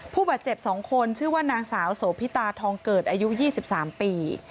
ผู้บาดเจ็บ๒คนชื่อว่านางสาวโสพิตาทองเกิดอายุ๒๓ปี